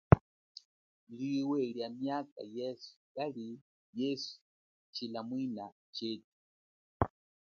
Liwe lia miaka yeswe kali yesu tshilamwina chetu.